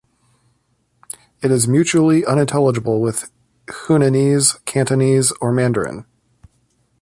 It is mutually unintelligible with Hunanese, Cantonese, or Mandarin.